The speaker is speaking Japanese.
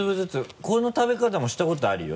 この食べ方もしたことあるよ